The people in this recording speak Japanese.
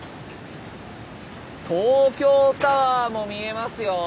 東京タワーも見えますよ。